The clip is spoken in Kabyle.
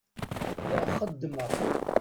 La xeddemeɣ.